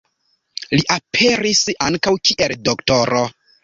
Li aperis ankaŭ kiel Dro.